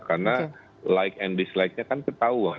karena like and dislike nya kan ketahuan